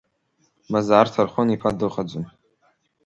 Мазар Ҭархәын-иԥа дыҟаӡам.